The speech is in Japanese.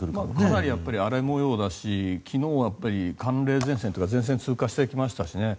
かなり荒れ模様だし昨日は寒冷前線というか、前線が通過してきましたしね。